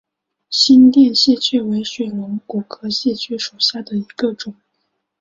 新店线蕨为水龙骨科线蕨属下的一个种。